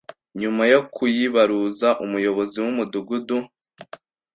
Nyuma yo kuyibaruza umuyobozi w’umudugudu